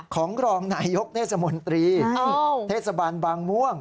ของรองนายยกเทศมนตรีเทศบาลบางม่วง